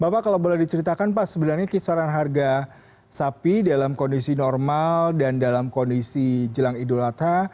bapak kalau boleh diceritakan pak sebenarnya kisaran harga sapi dalam kondisi normal dan dalam kondisi jelang idul adha